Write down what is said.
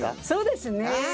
そうですね。